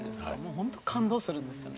本当、感動するんですよね